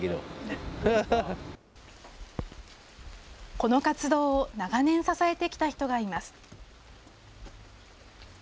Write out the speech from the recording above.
この活動を、長年支えてきた人がいます。